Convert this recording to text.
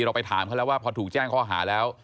เราไปถามเขาแล้วว่าพอถูกแจ้งข้อหาแล้ว